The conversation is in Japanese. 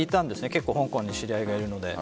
結構、香港に知り合いがいるので。